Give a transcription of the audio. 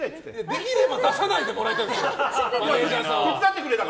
できれば出さないでもらいたかった。